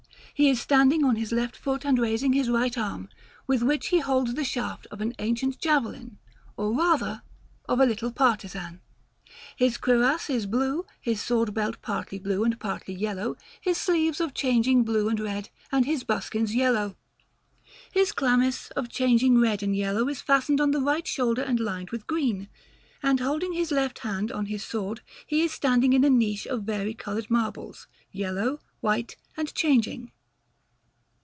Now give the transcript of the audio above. He is standing on his left foot and raising his right arm, with which he holds the shaft of an ancient javelin, or rather, of a little partisan. His cuirass is blue, his sword belt partly blue and partly yellow, his sleeves of changing blue and red, and his buskins yellow. His chlamys, of changing red and yellow, is fastened on the right shoulder and lined with green; and, holding his left hand on his sword, he is standing in a niche of varicoloured marbles, yellow, white, and changing.